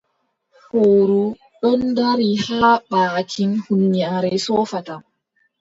Fowru ɗon dari haa baakin huunyaare soofata.